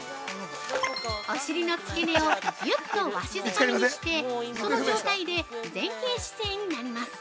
◆お尻のつけ根をギュッとわしづかみにしてその状態で前傾姿勢になります。